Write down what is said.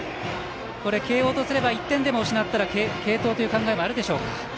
慶応とすれば１点でも失ったら継投という考えがあるでしょうか。